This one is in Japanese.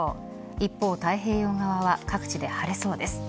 一方、太平洋側は各地で晴れそうです。